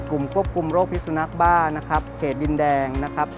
กลุ่มควบคุมโรคภิสุนักบ้าเขตดินแดง